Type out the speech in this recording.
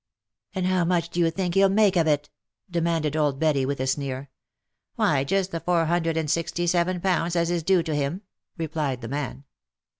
" And how much do you think he'll make of it?" demanded old Betty with a sneer. " Why, just the four hundred and sixty seven pounds as is due to him," replied the man.